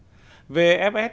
vfs quản lý nhiều khu đất vàng